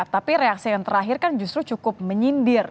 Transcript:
tapi reaksi yang terakhir kan justru cukup menyindir